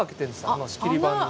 あの仕切り板に。